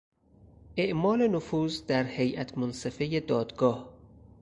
اعمال نفوذ در هیات منصفه دادگاه